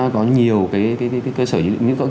có nhiều cái cơ sở